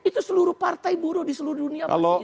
itu seluruh partai buruh di seluruh dunia masih itu